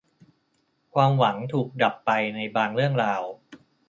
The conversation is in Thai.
ความหวังถูกดับไปในบางเรื่องราว